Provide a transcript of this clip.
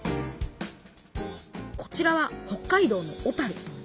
こちらは北海道の小樽。